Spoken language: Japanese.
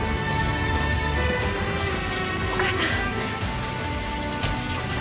お母さん！